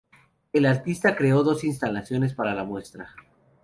El artista creó dos instalaciones para la muestra.